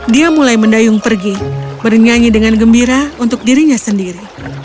dia mulai mendayung pergi bernyanyi dengan gembira untuk dirinya sendiri